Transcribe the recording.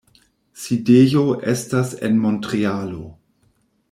Sidejo estas en Montrealo.